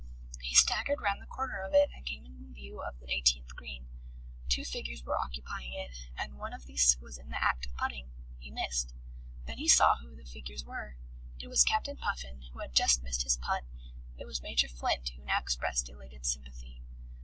He staggered round the corner of it and came in view of the eighteenth green. Two figures were occupying it, and one of these was in the act of putting. He missed. Then he saw who the figures were: it was Captain Puffin who had just missed his putt, it was Major Flint who now expressed elated sympathy.